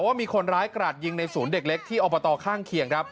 ว่ามีคนร้ายกราดยิงในศูนย์เด็กเล็กที่อบตข้างเคียงครับ